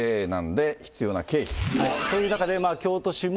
こういう中で京都市も。